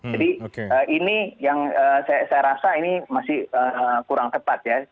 ini yang saya rasa ini masih kurang tepat ya